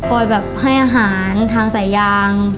คอยแบบให้อาหารทางใส่ยาง